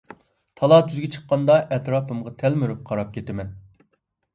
تالا-تۈزگە چىققاندا ئەتراپىمغا تەلمۈرۈپ قاراپ كىتىمەن.